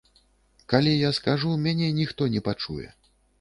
Калі я скажу, мяне ніхто не пачуе.